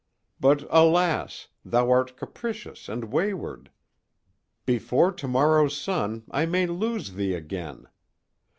But, alas! thou art capricious and wayward. Before to morrow's sun I may lose thee again.